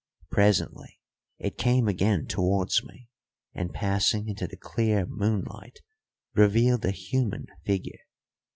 Presently it came again towards me, and, passing into the clear moonlight, revealed a human figure.